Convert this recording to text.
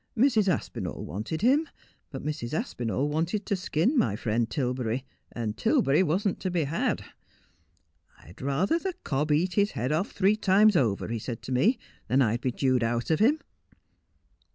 Mrs. Aspinall wanted him, but Mrs. Aspinall wanted to skin my friend Tilberry, and Tilberry wasn't to be had. " I'd rather the cob eat his head off three times over," he said to me, " than I'd be jewed out of him."'